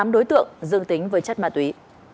một mươi tám đối tượng dương tính với chất ma túy